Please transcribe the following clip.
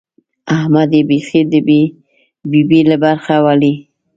احمد يې بېخي د ببۍ له برجه ولي.